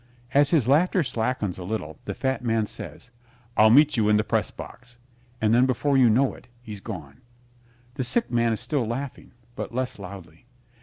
As his laughter slackens a little The Fat Man says, "I'll meet you in the press box," and then before you know it he's gone. The Sick Man is still laughing, but less loudly.